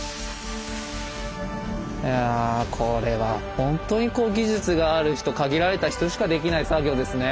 いやこれはほんとに技術がある人限られた人しかできない作業ですね。